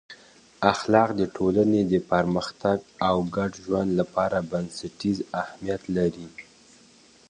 اخلاق د ټولنې د پرمختګ او ګډ ژوند لپاره بنسټیز اهمیت لري.